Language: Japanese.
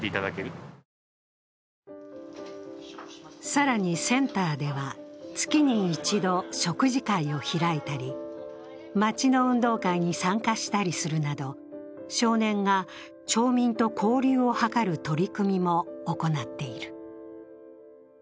更に、センターでは月に一度食事会を開いたり町の運動会に参加したりするなど、少年が町民と交流を図る取り組みも行っている。